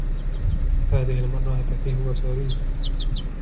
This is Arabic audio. هذه المرة ، هدفي هو باريس.